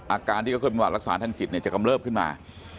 อาการที่เคยเป็นประหลักษณ์ท่านกิจจะกำเลิฟขึ้นมา